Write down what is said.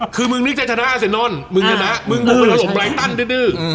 คือมึงนึกจะชนะเซนนอนมึงชนะมึงลงไปหล่อมไบร์ตันดื้อ